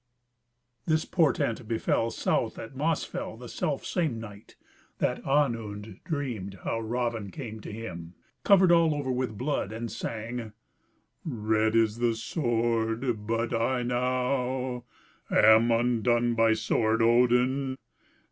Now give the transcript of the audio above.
This portent befel south at Mossfell, the self same night, that Onund dreamed how Raven came to him, covered all over with blood, and sang: "Red is the sword, but I now Am undone by Sword Odin.